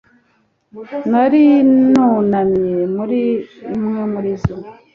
narinunamye muri imwe muri zo